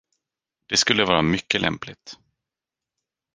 Det skulle vara mycket lämpligt.